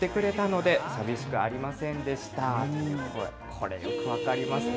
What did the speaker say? これ、よく分かりますね。